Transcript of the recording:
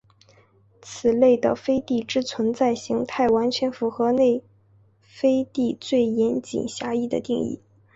此类的飞地之存在型态完全符合内飞地最严谨狭义的定义。